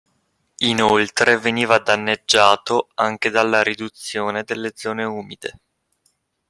Inoltre veniva danneggiato anche dalla riduzione delle zone umide.